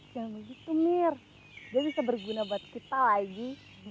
jangan begitu mir dia bisa berguna buat kita lagi